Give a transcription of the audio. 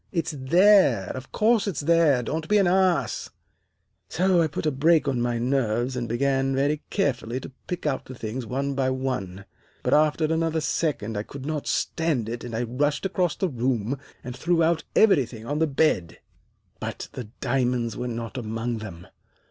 It's there, of course it's there. Don't be an ass.' "So I put a brake on my nerves and began very carefully to pick out the things one by one, but after another second I could not stand it, and I rushed across the room and threw out everything on the bed. But the diamonds were not among them.